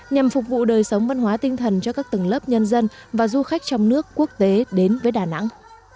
nhằm phục vụ đời sống văn hóa tinh thần cho các tầng lớp nhân dân và du khách trong nước quốc tế đến với đà nẵng